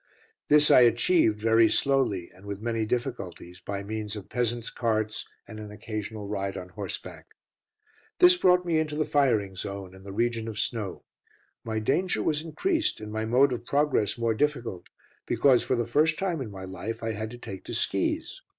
This I achieved, very slowly, and with many difficulties, by means of peasants' carts and an occasional ride on horseback. This brought me into the firing zone, and the region of snow. My danger was increased, and my mode of progress more difficult, because for the first time in my life I had to take to skis.